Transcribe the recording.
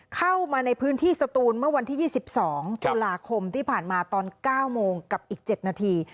เข้ามาในพื้นที่สตูนเมื่อวันที่๒๒ตุลาคมที่ผ่านมาตอน๙โมงกับอีก๗นาที